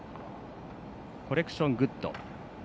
コレクショングッド。